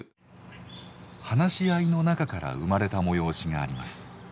話し合いの中から生まれた催しがあります。